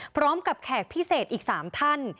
พร้อมกับแขกพิเศษอีก๓ท่าน